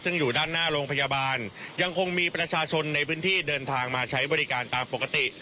ซึ่งอยู่ด้านหน้าโรงพยาบาลยังคงมีประชาชนในพื้นที่เดินทางมาใช้บริการตามปกติ